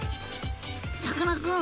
さかなクン！